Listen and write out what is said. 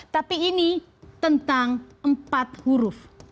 tapi ini tentang empat huruf